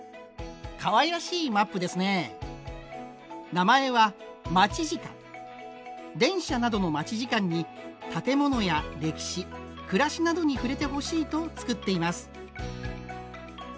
名前は電車などの待ち時間に建物や歴史暮らしなどに触れてほしいと作っています。